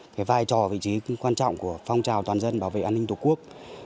cái vai trò vị trí quan trọng của phong trào toàn dân bảo vệ an ninh tổ quốc